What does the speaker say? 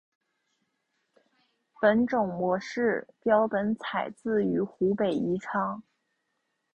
本种模式标本采自于湖北宜昌。